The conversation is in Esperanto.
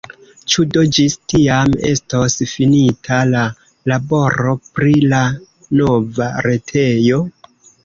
Ĉu do ĝis tiam estos finita la laboro pri la nova retejo?